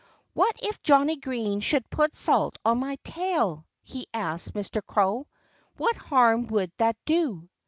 "What if Johnnie Green should put salt on my tail?" he asked Mr. Crow. "What harm would that do?"